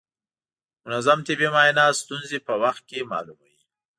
منظم طبي معاینات ستونزې په وخت کې معلوموي.